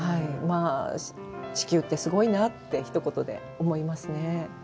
地球って、すごいなってひと言で思いますね。